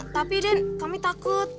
tapi den kami takut